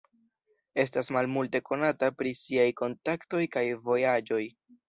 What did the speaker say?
Estas malmulte konata pri siaj kontaktoj kaj vojaĝoj.